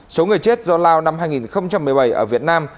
số người chết do lao năm hai nghìn một mươi bảy ở việt nam